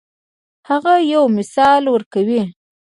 هغه یو مثال ورکوي.